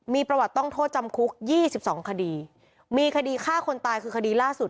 มีประวัติต้องโทษจำคุกยี่สิบสองคดีมีคดีฆ่าคนตายคือคดีล่าสุด